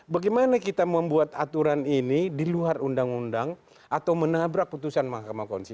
bagaimana kita membuat aturan ini di luar undang undang atau menabrak putusan mahkamah konstitusi